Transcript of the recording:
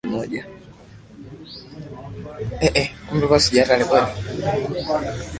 Benki ya Dunia ilisema mapato ya Uganda kwa kila mtu yaliimarika sana kati ya mwaka elfu mbili na moja na elfu mbili na kumi na moja